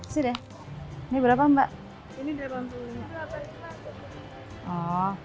sudah ini berapa mbak ini berapa